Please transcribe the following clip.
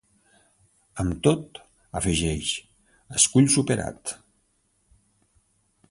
Amb tot, afegeix: Escull superat.